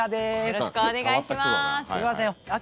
よろしくお願いします。